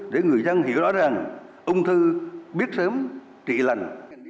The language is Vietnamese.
để người dân hiểu rõ ràng ung thư biết sớm trị lành